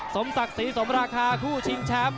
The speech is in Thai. สมศักดิ์ศรีสมราคาคู่ชิงแชมป์